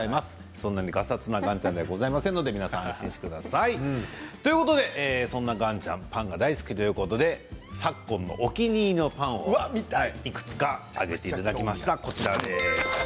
そんなに、がさつな岩ちゃんではございませんので皆さん、安心してください。ということで、そんな岩ちゃんパンが大好きということで昨今のお気に入りのパンをいくつか挙げていただきました。